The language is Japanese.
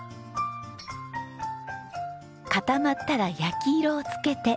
固まったら焼き色を付けて。